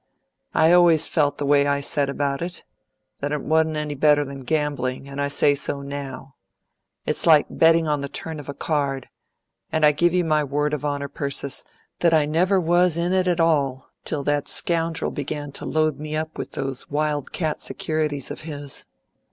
"I always felt the way I said about it that it wa'n't any better than gambling, and I say so now. It's like betting on the turn of a card; and I give you my word of honour, Persis, that I never was in it at all till that scoundrel began to load me up with those wild cat securities of his.